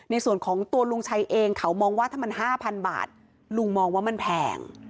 ในส่วนของตัวลุงชัยเองเขามองว่าถ้ามัน๕๐๐บาทลุงมองว่ามันแพง